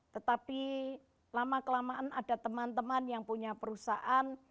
tetapi lama kelamaan ada teman teman yang punya perusahaan